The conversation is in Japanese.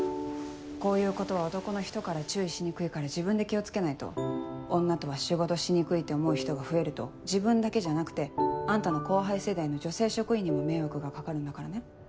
こういうことは男の人から注意しにくいから自分で気を付けないと女とは仕事しにくいって思う人が増えると自分だけじゃなくてあんたの後輩世代の女性職員にも迷惑が掛かるんだからね